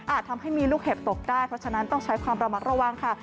ทำให้มีลูกเห็บตกได้เพราะฉะนั้นต้องใช้ความระมัดระวังค่ะ